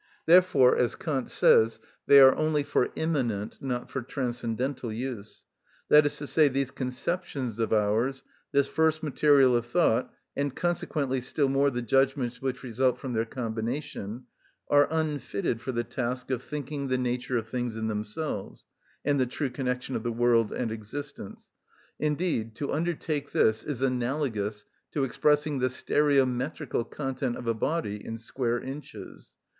Therefore, as Kant says, they are only for immanent, not for transcendental, use; that is to say, these conceptions of ours, this first material of thought, and consequently still more the judgments which result from their combination, are unfitted for the task of thinking the nature of things in themselves, and the true connection of the world and existence; indeed, to undertake this is analogous to expressing the stereometrical content of a body in square inches.